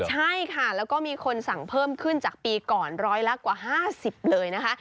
ใช่ค่ะแล้วก็มีคนสั่งเพิ่มขึ้นจากปีก่อนร้อยละกว่า๕๐เลยนะคะ